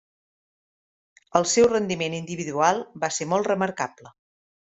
El seu rendiment individual va ser molt remarcable.